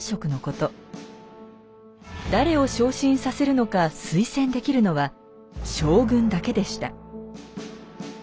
誰を昇進させるのか推薦できるのは将軍だけでした。